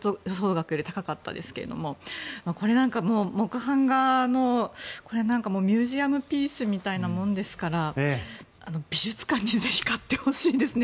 額より高かったですけれども木版画のこれはミュージアムピースみたいなものですから美術館にぜひ買ってほしいですね。